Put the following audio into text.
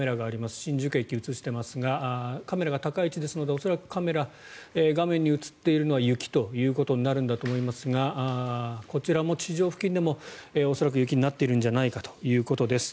新宿駅を映していますがカメラが高い位置ですので恐らく画面に映っているのは雪ということになるんだと思いますがこちらも地上付近でも恐らく雪になっているんじゃないかということです。